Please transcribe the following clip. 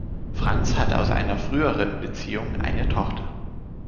Franz hat aus einer früheren Beziehung eine Tochter.